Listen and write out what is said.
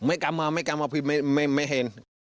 ไม่กลับมาไม่กลับมาไม่เห็น